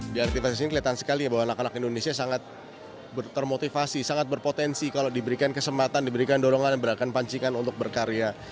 di aktivitas ini kelihatan sekali ya bahwa anak anak indonesia sangat termotivasi sangat berpotensi kalau diberikan kesempatan diberikan dorongan gerakan pancikan untuk berkarya